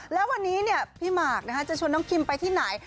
แล้ววันนี้พี่หมากจะชวนน้องคิมไปที่ไหน